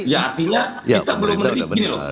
ya artinya kita belum mendidikin loh